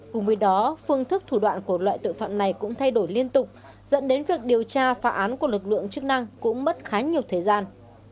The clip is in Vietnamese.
cùng với đó phương thức thủ đoạn của loại tội phạm này cũng thay đổi liên tục dẫn đến việc điều tra phá án của lực lượng chức năng cũng mất khá nhiều thời gian